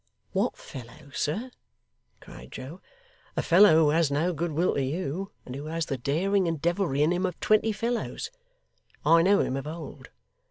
'What fellow, sir!' cried Joe: 'a fellow who has no goodwill to you, and who has the daring and devilry in him of twenty fellows. I know him of old.